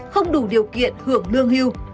không đủ điều kiện hưởng lương hưu